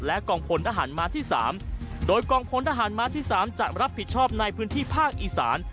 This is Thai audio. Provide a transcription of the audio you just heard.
กองพลทหารม้าที่๓โดยกองพลทหารม้าที่๓จะรับผิดชอบในพื้นที่ภาคอีสาน